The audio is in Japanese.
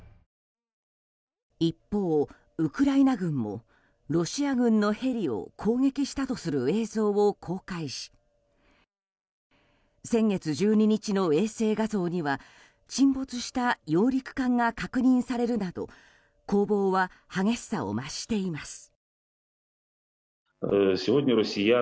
一方、ウクライナ軍もロシア軍のヘリを攻撃したとする映像を公開し先月１２日の衛星画像には沈没した揚陸艦が確認されるなど攻防は激しさを増しています。